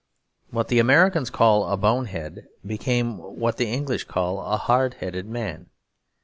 What the Americans call a bonehead became what the English call a hard headed man.